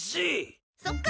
そっか。